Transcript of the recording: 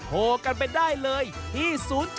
โทรกันไปได้เลยที่๐๗๗๘๒๒๘๖๓